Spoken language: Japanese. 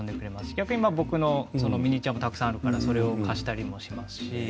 逆に僕のミニチュアもたくさんあるからそれを貸したりもしますし。